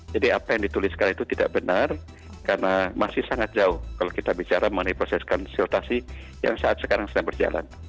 jadi apa yang ditulis sekarang itu tidak benar karena masih sangat jauh kalau kita bicara mengenai proses konsultasi yang sekarang sedang berjalan